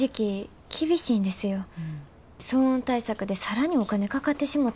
騒音対策で更にお金かかってしもたら。